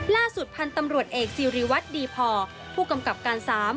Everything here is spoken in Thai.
ล่าสุดพันธุ์ตำรวจเอกสิริวัตรดีพอผู้กำกับการ๓